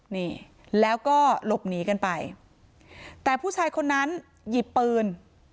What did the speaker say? นี่แล้วก็หลบหนีกันไปแต่ผู้ชายคนนั้นหยิบปืน